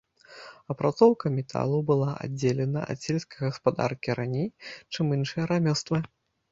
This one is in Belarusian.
Апрацоўка металу была аддзелена ад сельскай гаспадаркі раней, чым іншыя рамёствы.